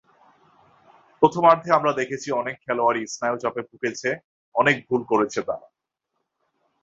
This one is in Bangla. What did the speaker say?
প্রথমার্ধে আমরা দেখেছি অনেক খেলোয়াড়ই স্নায়ুচাপে ভুগেছে, অনেক ভুল করেছে তারা।